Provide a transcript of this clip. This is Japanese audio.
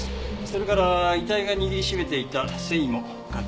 それから遺体が握りしめていた繊維も鑑定しました。